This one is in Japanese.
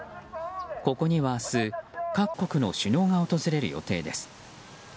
ここには明日、各国の首脳が訪れる予定です。